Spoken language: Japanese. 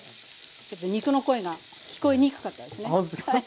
ちょっと肉の声が聞こえにくかったですね。